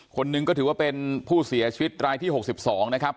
คนหนึ่งก็ถือว่าเป็นผู้เสียชีวิตรายที่๖๒นะครับ